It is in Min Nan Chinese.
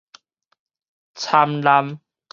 摻濫